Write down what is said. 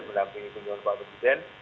mendampingi kunjungan pak presiden